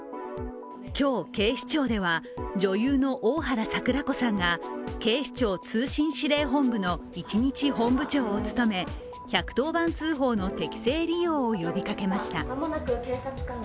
今日、警視庁では、女優の大原櫻子さんが警視庁通信指令本部の一日本部長を務め１１０番通報の適正利用を呼びかけました。